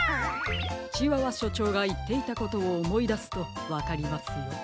チワワしょちょうがいっていたことをおもいだすとわかりますよ。